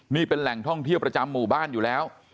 นี่เป็นแหล่งท่องเที่ยวประจำหมู่บ้านอยู่แล้ว